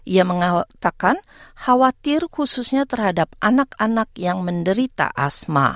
ia mengatakan khawatir khususnya terhadap anak anak yang menderita asma